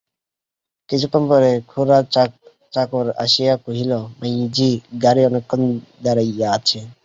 কিছুক্ষণ পরে খুড়ার চাকর আসিয়া কহিল, মায়ীজি, গাড়ি অনেক ক্ষণ দাঁড়াইয়া আছে।